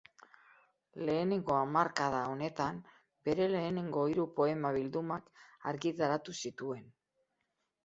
Lehenengo hamarkada honetan bere lehenengo hiru poema-bildumak argitaratu zituen.